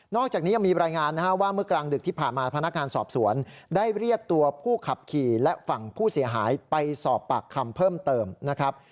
อกจากนี้ยังมีรายงานนะฮะว่าเมื่อกลางดึกที่ผ่านมาพนักงานสอบสวนได้เรียกตัวผู้ขับขี่และฝั่งผู้เสียหายไปสอบปากคำเพิ่มเติมนะครับ